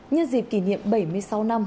nhân dịp kỷ niệm bảy mươi sáu năm